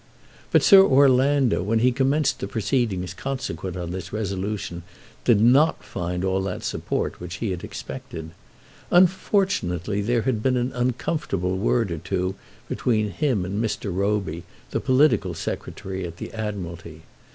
But Sir Orlando, when he commenced the proceedings consequent on this resolution, did not find all that support which he had expected. Unfortunately there had been an uncomfortable word or two between him and Mr. Roby, the political Secretary at the Admiralty. Mr.